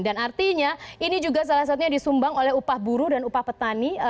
dan artinya ini juga salah satunya disumbang oleh upah buruh dan upah petani